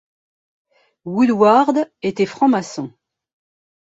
Woodward était franc-maçon.